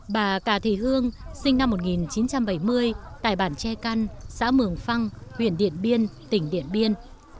bà cà thị hương sinh năm một nghìn chín trăm bảy mươi tại bản tre căn xã mường phăng huyện điện biên tỉnh điện biên